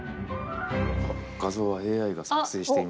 画像はＡＩが作成しています。